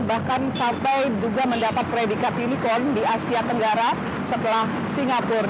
bahkan sampai juga mendapat predikat unicorn di asia tenggara setelah singapura